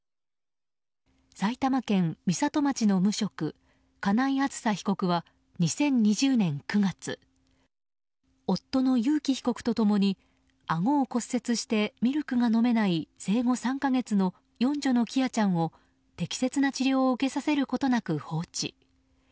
埼玉県美里町の無職金井あずさ被告は２０２０年９月夫の裕喜被告と共にあごを骨折してミルクが飲めない生後３か月の四女の喜空ちゃんを、適切な治療を受けさせることなく放置。